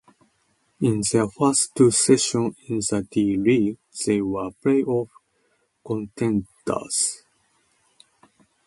In their first two seasons in the D-League, they were playoff contenders.